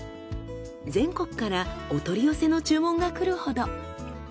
全国からお取り寄せの注文が来るほど。